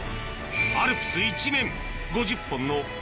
アルプス一面